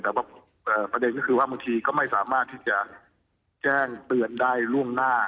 แต่ว่าประเด็นก็คือว่าบางทีก็ไม่สามารถที่จะแจ้งเตือนได้ล่วงหน้า